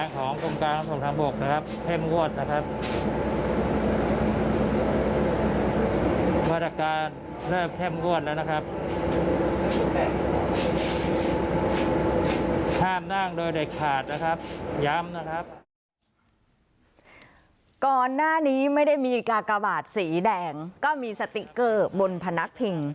ก่อนหน้านี้ไม่ได้มีกากบาทสีแดงก็มีสติ๊กเกอร์บนพนักพิง